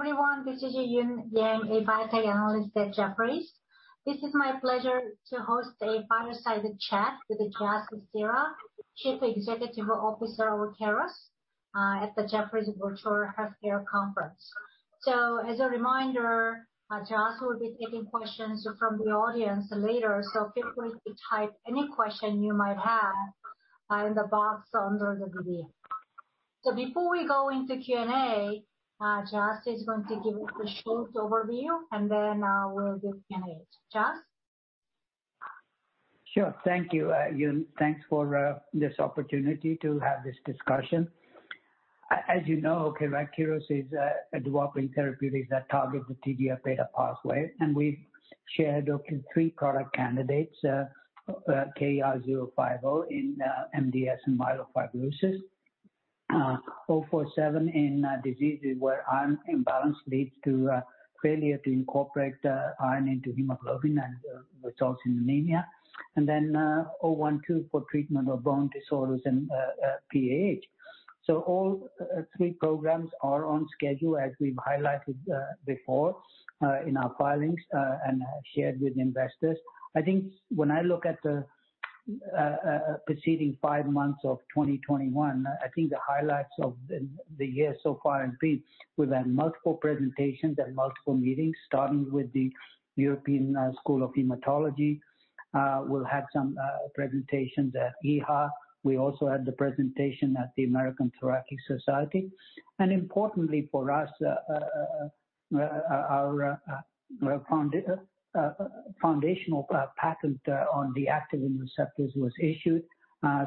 Everyone, this is Eun Yang, a biotech analyst at Jefferies. It is my pleasure to host a fireside chat with Jasbir Seehra, Chief Executive Officer with Keros, at the Jefferies Virtual Healthcare Conference. As a reminder, Jas will be taking questions from the audience later, so feel free to type any question you might have in the box under the video. Before we go into Q&A, Jas is going to give a short overview, and then we'll do Q&A. Jas? Sure. Thank you, Eun. Thanks for this opportunity to have this discussion. As you know, Keros is a developing therapeutics that target the TGF-beta pathway, and we've shared three product candidates, KER-050 in MDS and myelofibrosis, 047 in diseases where iron imbalance leads to failure to incorporate iron into hemoglobin and results in anemia, and then 012 for treatment of bone disorders and PAH. All three programs are on schedule as we've highlighted before in our filings and have shared with investors. I think when I look at the preceding five months of 2021, I think the highlights of the year so far have been, we've had multiple presentations at multiple meetings, starting with the European School of Haematology. We'll have some presentations at EHA. We also had the presentation at the American Thoracic Society. Importantly for us, our foundational patent on the activin receptors was issued, so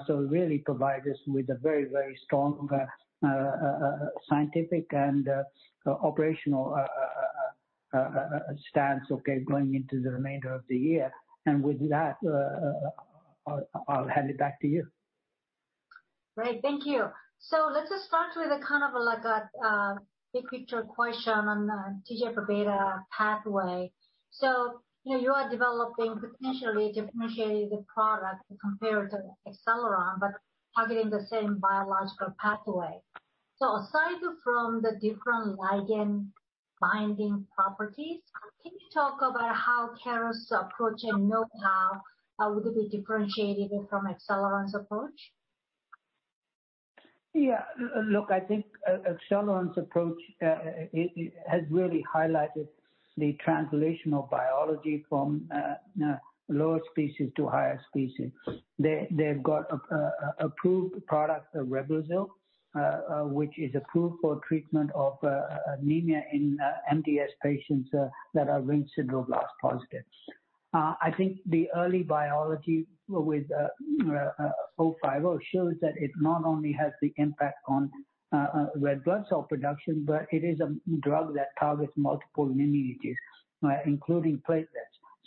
it really provide us with a very strong scientific and operational stance going into the remainder of the year. With that, I'll hand it back to you. Great. Thank you. Let us start with a big picture question on the TGF-beta pathway. You are developing potentially a differentiated product compared to Acceleron, but targeting the same biological pathway. Aside from the different ligand binding properties, can you talk about how Keros' approach in Milta will be differentiated from Acceleron's approach? Yeah. Look, I think Acceleron's approach has really highlighted the translation of biology from lower species to higher species. They've got approved product, REBLOZYL, which is approved for treatment of anemia in MDS patients that are ring sideroblasts positive. I think the early biology with 050 shows that it not only has the impact on red blood cell production, but it is a drug that targets multiple lineages, including platelets.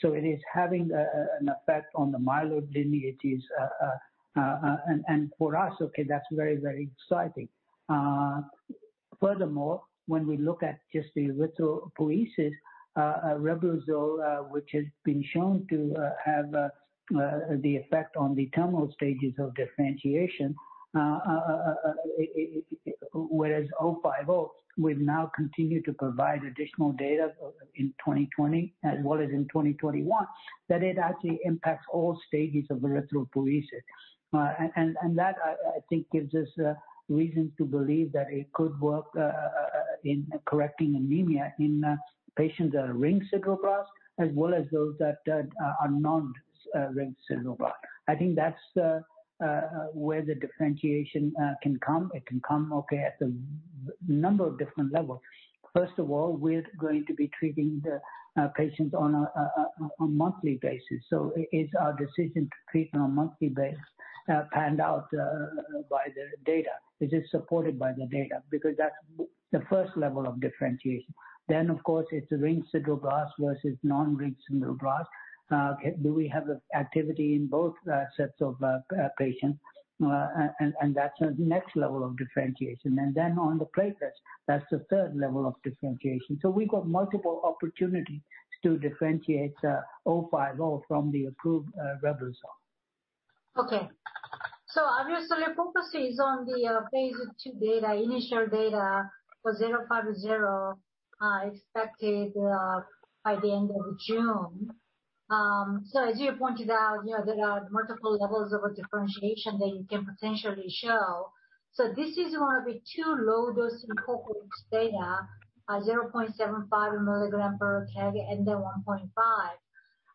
It is having an effect on the myeloid lineages. For us, okay, that's very exciting. Furthermore, when we look at just the erythropoiesis, REBLOZYL, which has been shown to have the effect on the terminal stages of differentiation, whereas 050 will now continue to provide additional data in 2020 and what is in 2021, that it actually impacts all stages of erythropoiesis. That, I think, gives us reason to believe that it could work in correcting anemia in patients that are ring sideroblasts as well as those that are non-ring sideroblasts. I think that's where the differentiation can come. It can come, okay, at a number of different levels. First of all, we're going to be treating the patients on a monthly basis. It's our decision to treat on a monthly basis panned out by the data. It is supported by the data because that's the first level of differentiation. Of course, it's ring sideroblasts versus non-ring sideroblasts. Do we have activity in both sets of patients? That's the next level of differentiation. Then on the platelets, that's the third level of differentiation. We've got multiple opportunities to differentiate 050 from the approved REBLOZYL. Okay. Obviously, the focus is on the phase II data, initial data for 050 expected by the end of June. As you pointed out, there are multiple levels of differentiation that you can potentially show. This is one of the two low-dose endpoints data, 0.75 mg/k and then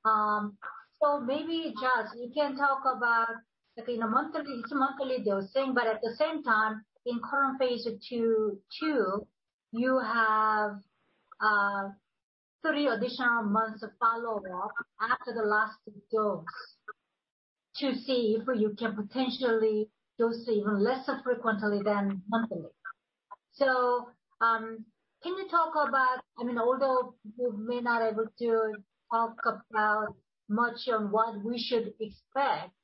1.5. Maybe, Jas, you can talk about the monthly, bi-monthly dosing, but at the same time, in current phase II, you have three additional months of follow-up after the last of the dose to see if you can potentially dose even less frequently than monthly. Can you talk about, although you may not be able to talk about much on what we should expect,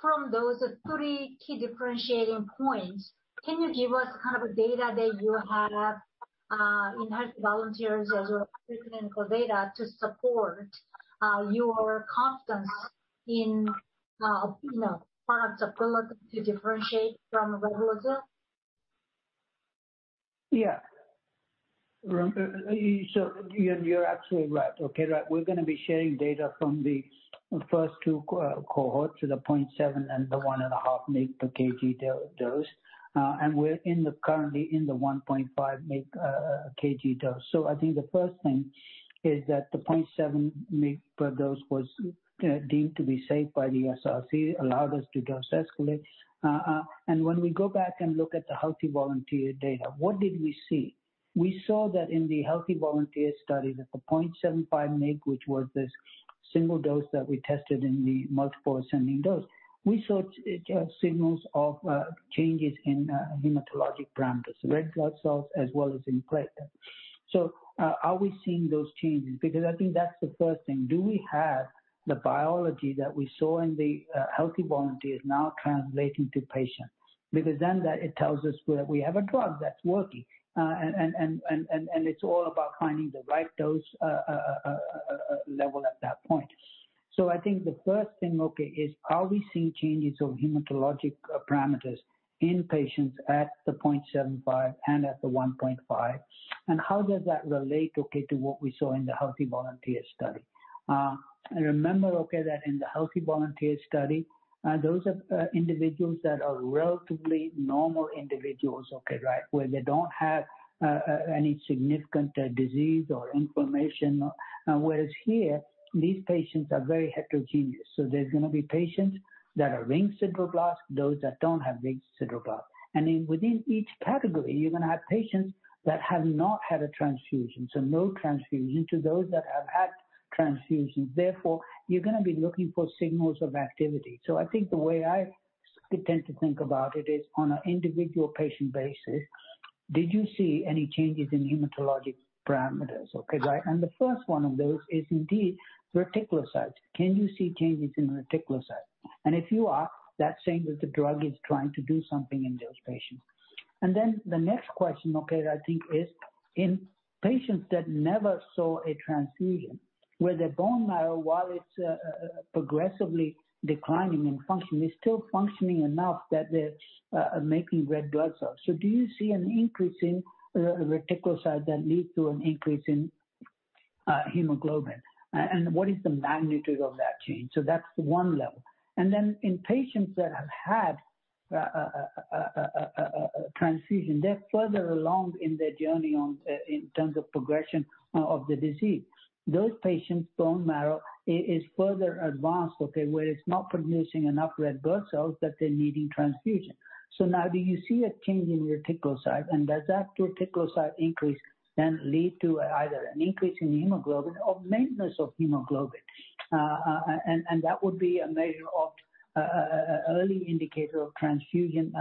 from those three key differentiating points, can you give us the kind of data that you had in healthy volunteers as a preclinical data to support your confidence in. Now, points of bullet to differentiate from REBLOZYL? Yeah. You're absolutely right. Okay. We're going to be sharing data from the first two cohorts, the 0.7 and the 1.5 mg per kg dose. We're currently in the 1.5 mg per kg dose. I think the first thing is that the 0.7 mg per dose was deemed to be safe by the SRC, allowed us to dose escalate. When we go back and look at the healthy volunteer data, what did we see? We saw that in the healthy volunteer study, that the 0.75 mg, which was this single dose that we tested in the multiple ascending dose, we saw signals of changes in hematologic parameters, red blood cells as well as in platelets. Are we seeing those changes? Because I think that's the first thing. Do we have the biology that we saw in the healthy volunteers now translating to patients? That tells us where we have a drug that's working. It's all about finding the right dose level at that point. I think the first thing, okay, is are we seeing changes of hematologic parameters in patients at the 0.75 and at the 1.5? How does that relate, okay, to what we saw in the healthy volunteer study? Remember, okay, that in the healthy volunteer study, those are individuals that are relatively normal individuals, okay? Where they don't have any significant disease or inflammation. Whereas here, these patients are very heterogeneous. There's going to be patients that are ring sideroblasts, those that don't have ring sideroblasts. Within each category, you're going to have patients that have not had a transfusion, so no transfusion, to those that have had transfusions. Therefore, you're going to be looking for signals of activity. I think the way I tend to think about it is on an individual patient basis, did you see any changes in hematologic parameters? Okay. The first one of those is indeed reticulocytes. Can you see changes in reticulocytes? If you are, that's saying that the drug is trying to do something in those patients. The next question, okay, I think, is in patients that never saw a transfusion, where their bone marrow, while it's progressively declining in function, is still functioning enough that they're making red blood cells. Do you see an increase in reticulocytes that leads to an increase in hemoglobin? What is the magnitude of that change? That's one level. In patients that have had a transfusion, they're further along in their journey in terms of progression of the disease. Those patients' bone marrow is further advanced, okay, where it's not producing enough red blood cells that they're needing transfusion. Now do you see a change in reticulocytes? Does that reticulocyte increase then lead to either an increase in hemoglobin or maintenance of hemoglobin? That would be a measure of early indicator of transfusion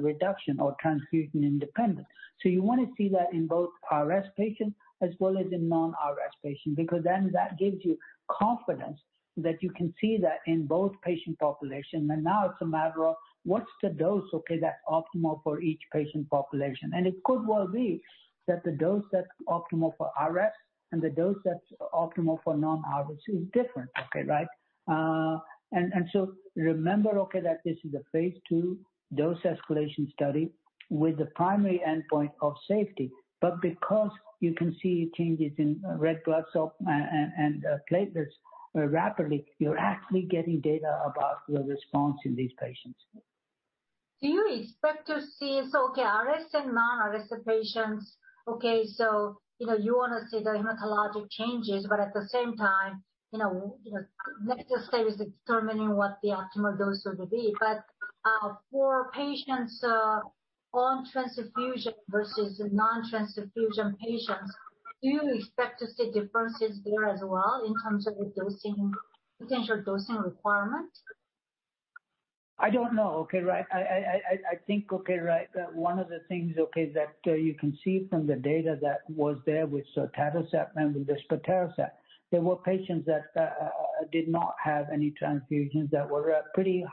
reduction or transfusion independence. You want to see that in both RS patients as well as in non-RS patients, because then that gives you confidence that you can see that in both patient populations. Now it's a matter of what's the dose, okay, that's optimal for each patient population. It could well be that the dose that's optimal for RS and the dose that's optimal for non-RS is different, okay? Remember, okay, that this is a phase II dose escalation study with the primary endpoint of safety. Because you can see changes in red blood cell and platelets rapidly, you're actually getting data about your response in these patients. Do you expect to see RS and non-RS patients, you want to see the hematologic changes, but at the same time, necessary to determining what the optimal dose would be? For patients on transfusion versus non-transfusion patients, do you expect to see differences there as well in terms of potential dosing requirements? I don't know. Okay. I think, okay, right, that one of the things, okay, that you can see from the data that was there with sotatercept and with the sotatercept, there were patients that did not have any transfusions that were pretty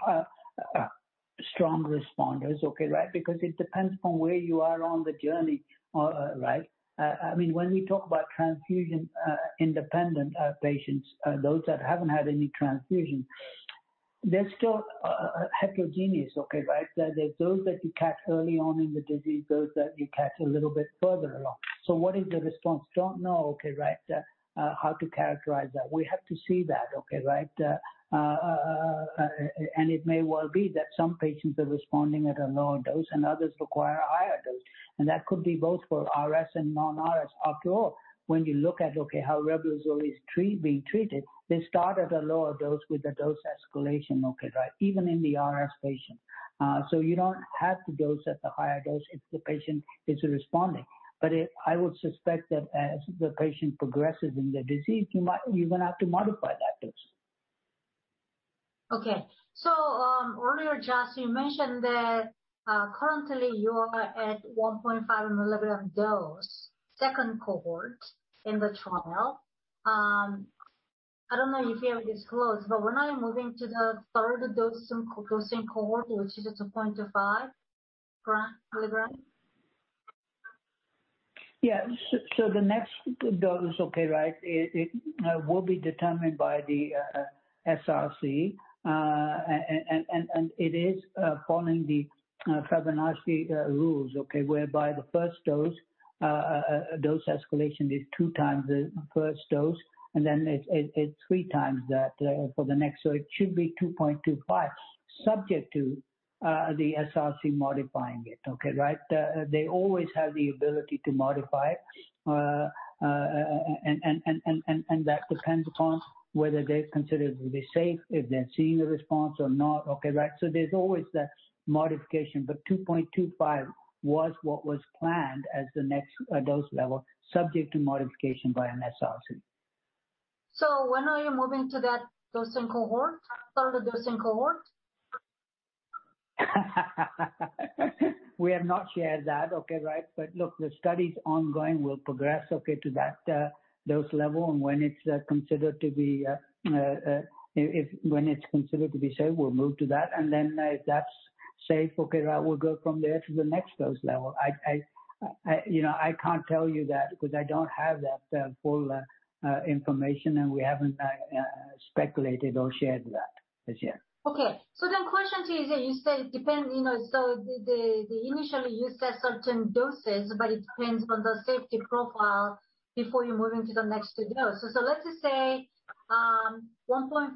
strong responders, okay? Because it depends on where you are on the journey, right? When we talk about transfusion-independent patients, those that haven't had any transfusion, they're still heterogeneous, okay? There's those that you catch early on in the disease, those that you catch a little bit further along. What is the response? Don't know, okay, right, how to characterize that. We have to see that, okay. It may well be that some patients are responding at a lower dose, and others require a higher dose. That could be both for RS and non-RS. When you look at, okay, how REBLOZYL is being treated, they start at a lower dose with a dose escalation, okay, right? Even in the RS patients. You don't have to dose at the higher dose if the patient is responding. I would suspect that as the patient progresses in their disease, you're going to have to modify that dose. Earlier, Jas, you mentioned that currently you are at 1.5 mg dose, second cohort in the trial. I don't know if you have disclosed, when are you moving to the third dosing cohort, which is the 0.5 mg? Yeah. The next dose will be determined by the SRC, and it is following the Fibonacci rules, whereby the first dose escalation is two times the first dose, and then it's three times that for the next. It should be 2.25, subject to the SRC modifying it. They always have the ability to modify it, and that depends upon whether they're considered to be safe, if they're seeing a response or not. There's always that modification. 2.25 was what was planned as the next dose level, subject to modification by an SRC. When are you moving to that dose in cohort, third of dosing cohort? We have not shared that. Look, the study's ongoing. We'll progress up to that dose level, and when it's considered to be safe, we'll move to that. If that's safe, we'll go from there to the next dose level. I can't tell you that because I don't have that full information, and we haven't speculated or shared that as yet. Okay. The question is that you said depends, initially you said certain doses, but it depends on the safety profile before you move into the next dose. Let's say 1.5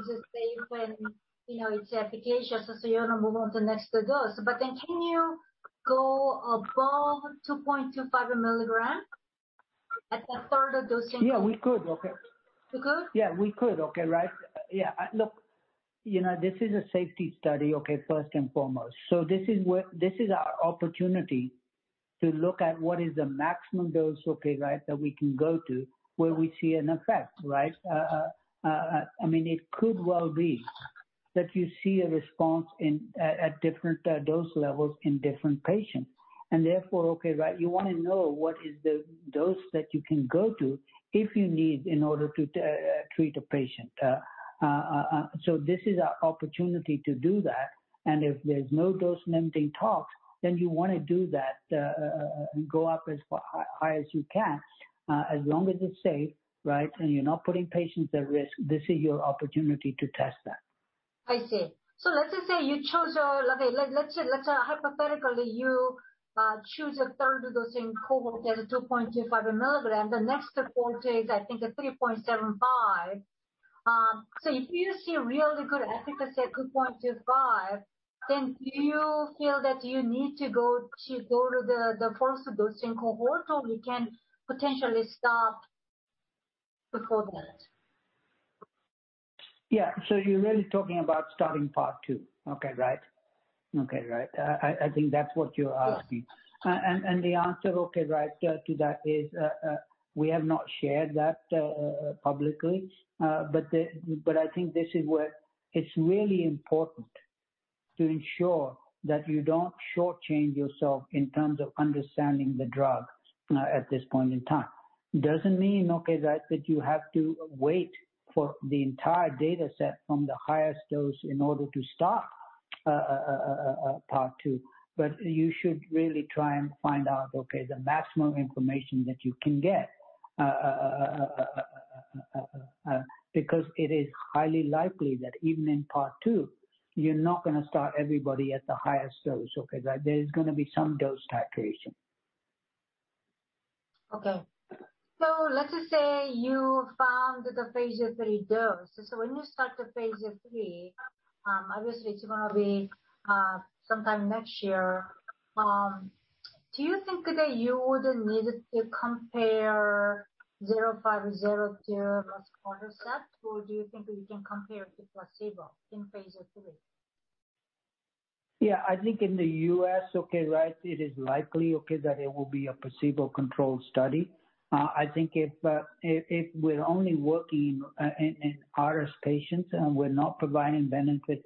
is safe and it's efficacious, so you want to move on to the next dose. Can you go above 2.25 a milligram at the third dosing? Yeah, we could. You could? Yeah, we could. Yeah. Look, this is a safety study, first and foremost. This is our opportunity to look at what is the maximum dose that we can go to where we see an effect. It could well be that you see a response at different dose levels in different patients, and therefore, you want to know what is the dose that you can go to if you need in order to treat a patient. This is our opportunity to do that, and if there's no dose-limiting toxicity, then you want to do that, and go up as high as you can, as long as it's safe, and you're not putting patients at risk. This is your opportunity to test that. I see. Let's say hypothetically, you choose a third dosing cohort at 2.25 a milligram. The next cohort is, I think, at 3.75 mg. If you see really good efficacy at 2.25 mg, then do you feel that you need to go to the 1st dosing cohort, or we can potentially stop before that? Yeah. You're really talking about starting part two. Okay, right. I think that's what you're asking. Yes. The answer to that is, we have not shared that publicly. I think this is where it's really important to ensure that you don't shortchange yourself in terms of understanding the drug at this point in time. It doesn't mean that you have to wait for the entire dataset from the highest dose in order to start part two. You should really try and find out the maximum information that you can get. It is highly likely that even in part two, you're not going to start everybody at the highest dose. There's going to be some dose titration. Okay. Let's just say you found the phase III dose. When you start the phase III, obviously it's going to be sometime next year. Do you think that you would immediately compare KER-050, or do you think we can compare with placebo in phase III? Yeah, I think in the U.S., it is likely that it will be a placebo-controlled study. I think if we're only working in RS patients and we're not providing benefit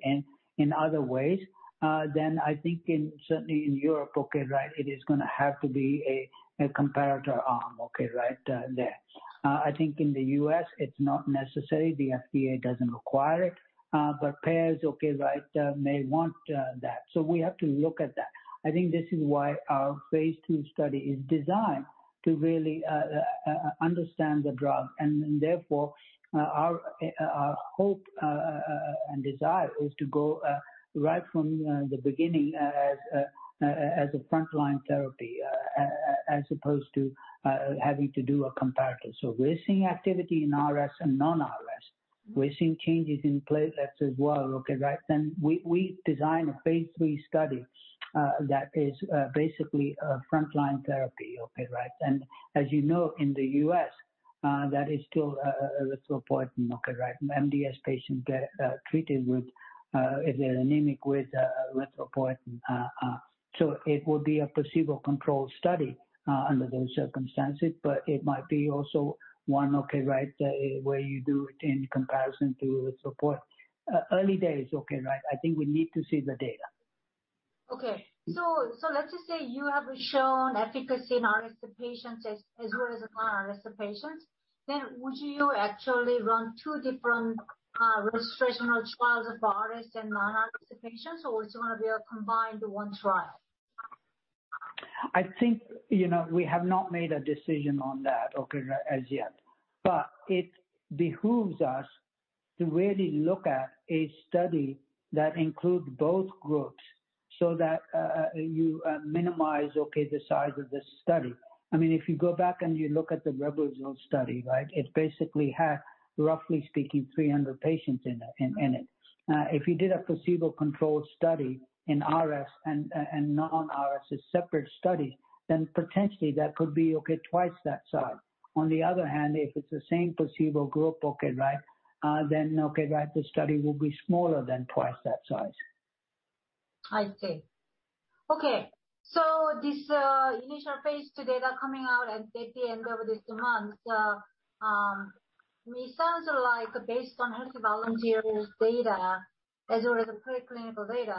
in other ways, I think certainly in Europe, it is going to have to be a comparator arm there. I think in the U.S., it's not necessary. The FDA doesn't require it. Payers may want that. We have to look at that. I think this is why our phase II study is designed to really understand the drug, therefore, our hope and desire is to go right from the beginning as a frontline therapy, as opposed to having to do a comparator. We're seeing activity in RS and non-RS. We're seeing changes in platelets as well. We've designed a phase III study that is basically a frontline therapy. As you know, in the U.S., that is still erythropoietin. MDS patients get treated with an agent with erythropoietin. It would be a placebo-controlled study under those circumstances, but it might be also one where you do in comparison to the support. Early days. I think we need to see the data. Okay. Let's just say you have shown efficacy in RS patients as well as non-RS patients. Would you actually run two different registrational trials of RS and non-RS patients, or it's going to be a combined one trial? I think we have not made a decision on that as yet. It behooves us to really look at a study that includes both groups so that you minimize the size of the study. If you go back and you look at the REBLOZYL study, right? It basically had, roughly speaking, 300 patients in it. If you did a placebo-controlled study in RS and non-RS as separate studies, then potentially that could be twice that size. On the other hand, if it's the same placebo group, the study will be smaller than twice that size. I see. Okay. This initial phase II data coming out at JPM later this month. We sounds like based on healthy volunteer data as well as the preclinical data,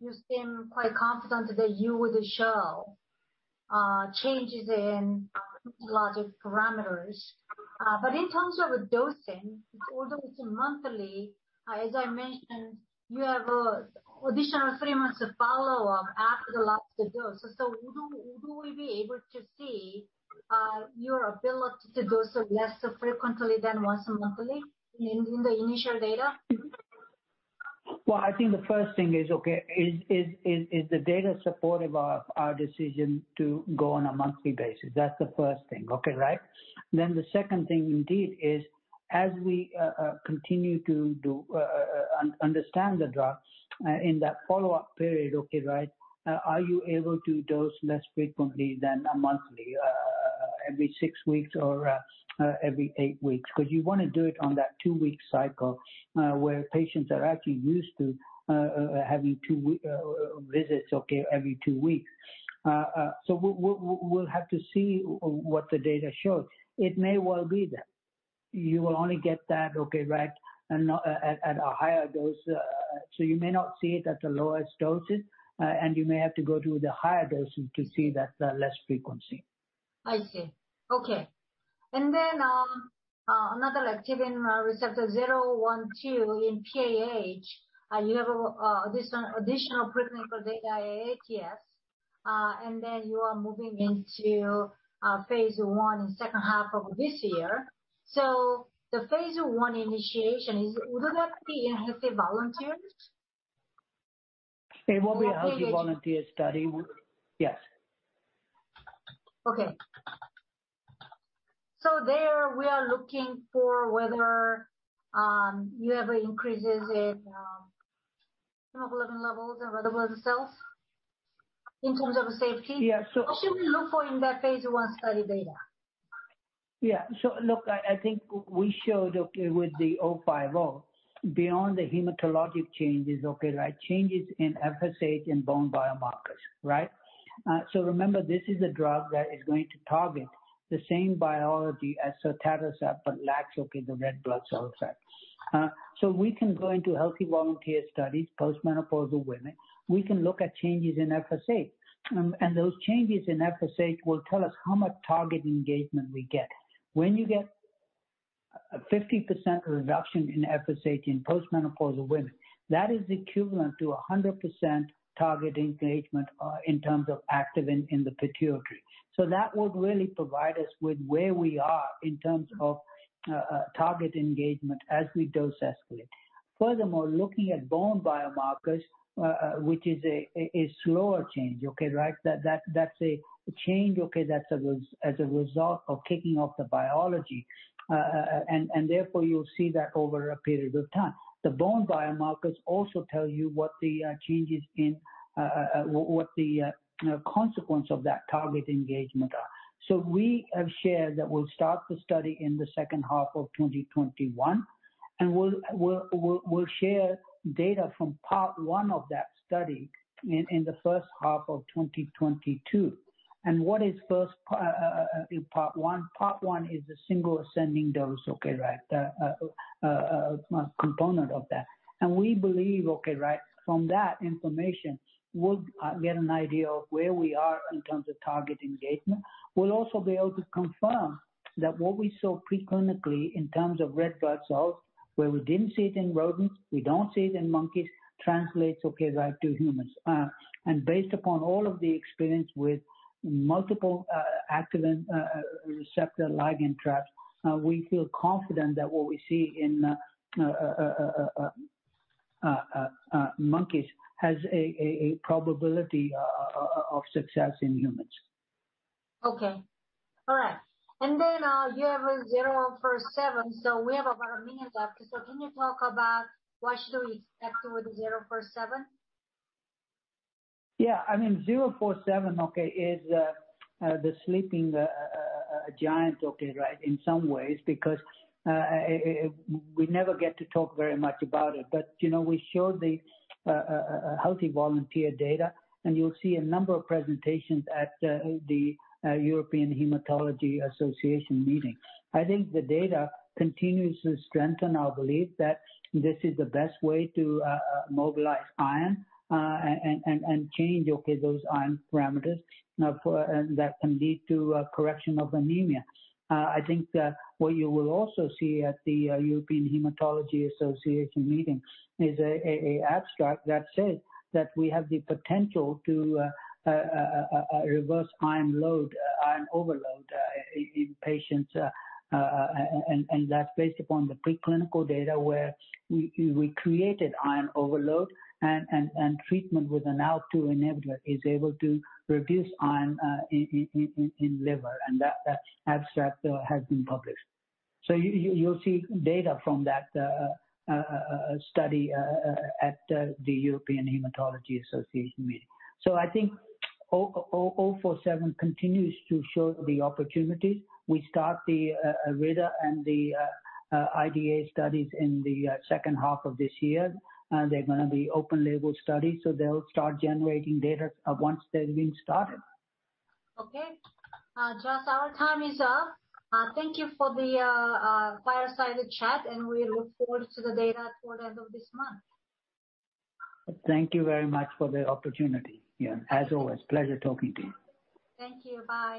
you seem quite confident that you will show changes in hematologic parameters. In terms of the dosing, it's ordered as a monthly. As I mentioned, you have additional three months of follow-up after the last dose. Would we be able to see your ability to dose it less frequently than once a monthly in the initial data? Well, I think the first thing is the data supportive of our decision to go on a monthly basis? That's the first thing. The second thing indeed is, as we continue to do, understand the drug in that follow-up period, are you able to dose less frequently than a monthly, every six weeks or every eight weeks? You want to do it on that two-week cycle, where patients are actually used to having two visits, every two weeks. We'll have to see what the data shows. It may well be that you will only get that at a higher dose. You may not see it at the lowest dosage, and you may have to go to the higher dosage to see that less frequency. I see. Okay. Another activin receptor 012 in PAH, you have this additional preclinical data, ATS, and then you are moving into phase I in second half of this year. The phase I initiation, is it going to be a healthy volunteers? It will be a healthy volunteer study. Yes. Okay. There we are looking for whether you have increases in hemoglobin levels and red blood cells in terms of safety. Yeah, so- What should we look for in that phase I study data? Yeah. Look, I think we showed with the KER-050, beyond the hematologic changes in FSH and bone biomarkers. Remember, this is a drug that is going to target the same biology as sotatercept but lacks the red blood cell effect. We can go into healthy volunteer studies, postmenopausal women. We can look at changes in FSH. Those changes in FSH will tell us how much target engagement we get. When you get a 50% reduction in FSH in postmenopausal women, that is equivalent to 100% target engagement in terms of activin in the pituitary. That will really provide us with where we are in terms of target engagement as we dose escalate. Furthermore, looking at bone biomarkers, which is a slower change. That's a change that's as a result of kicking off the biology. Therefore, you'll see that over a period of time. The bone biomarkers also tell you what the consequence of that target engagement are. We have shared that we'll start the study in the second half of 2021, and we'll share data from part 1 of that study in the first half of 2022. What is first in part 1? Part 1 is a single ascending dose, okay, right, component of that. We believe, okay, right, from that information, we'll get an idea of where we are in terms of target engagement. We'll also be able to confirm that what we saw pre-clinically in terms of red blood cells, where we didn't see it in rodents, we don't see it in monkeys, translates, okay, right, to humans. Based upon all of the experience with multiple activin receptor ligand traps, we feel confident that what we see in monkeys has a probability of success in humans. Okay. All right. You have 047. We have about a minute left. Can you talk about what should we expect with 047? Yeah, I mean, 047, okay, is the sleeping giant, okay, right, in some ways because we never get to talk very much about it. We showed the healthy volunteer data, and you'll see a number of presentations at the European Hematology Association meeting. I think the data continues to strengthen our belief that this is the best way to mobilize iron and change, okay, those iron parameters that can lead to correction of anemia. I think that what you will also see at the European Hematology Association meeting is an abstract that says that we have the potential to reverse iron load, iron overload in patients, and that's based upon the preclinical data where we created iron overload and treatment with an ALK2 inhibitor is able to reduce iron in liver, and that abstract has been published. You'll see data from that study at the European Hematology Association meeting. I think 047 continues to show the opportunity. We start the IRIDA and the IDA studies in the second half of this year. They're going to be open-label studies, so they'll start generating data once they've been started. Okay. Jas, our time is up. Thank you for the fireside chat. We look forward to the data later this month. Thank you very much for the opportunity. Yeah. As always, pleasure talking to you. Thank you. Bye